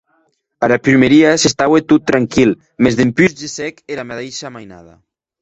Ara prumeria s'estaue tot tranquil, mès dempús gessec era madeisha mainada.